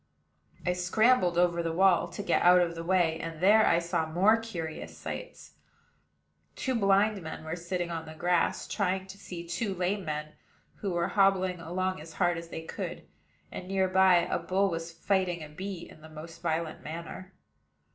I scrambled over the wall to get out of the way, and there I saw more curious sights. Two blind men were sitting on the grass, trying to see two lame men who were hobbling along as hard as they could; and, near by, a bull was fighting a bee in the most violent manner.